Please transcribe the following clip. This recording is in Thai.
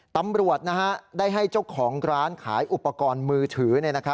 ตำรวจได้ให้เจ้าของร้านขายอุปกรณ์มือถือ